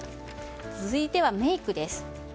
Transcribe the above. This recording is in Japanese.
続いてはメイクです。